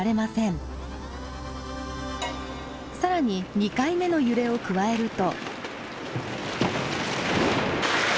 更に２回目の揺れを加えると。